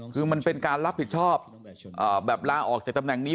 คือมันเป็นการรับผิดชอบแบบลาออกจากตำแหน่งนี้